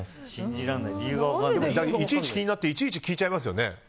いちいち気になっていちいち聞いちゃいますよね。